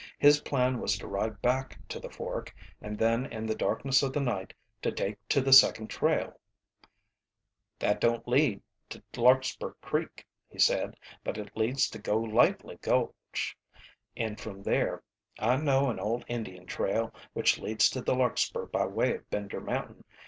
His plan was to ride back to the fork, and then in the darkness of the night to take to the second trail. "That don't lead to Larkspur Creek," he said. "But it leads to Go Lightly Gulch, and from there I know an old Indian trail which leads to the Larkspur by way of Bender Mountain.